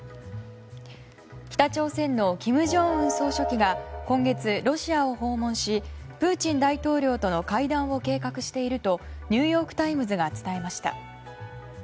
北朝鮮の金正恩総書記が今月、ロシアを訪問しプーチン大統領との会談を計画しているとニューヨーク・タイムズが伝えました。